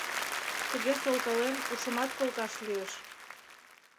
Тыге солкален, ушымат колташ лиеш.